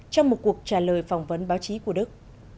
trong một cuộc trả lời phỏng vấn báo chí của đức